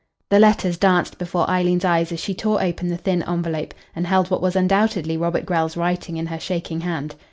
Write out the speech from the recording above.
The letters danced before Eileen's eyes as she tore open the thin envelope and held what was undoubtedly Robert Grell's writing in her shaking hand.